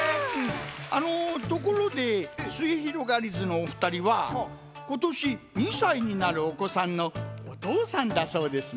あのところですゑひろがりずのおふたりはことし２さいになるおこさんのおとうさんだそうですな。